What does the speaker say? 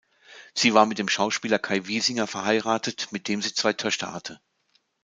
Sie war mit dem Schauspieler Kai Wiesinger verheiratet, mit dem sie zwei Töchter hatte.